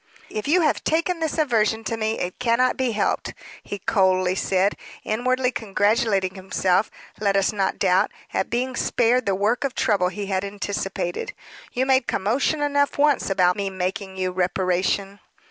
"If you have taken this aversion to me, it cannot be helped," he coldly said, inwardly congratulating himself, let us not doubt, at being spared the work of trouble he had anticipated. "You made commotion enough once about me making you reparation."